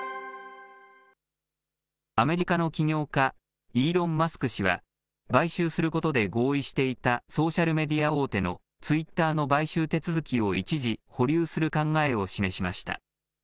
アメリカの起業家、イーロン・マスク氏は、買収することで合意していたソーシャルメディア大手のツイッターの買収手続きを一時保留する考えを示しました。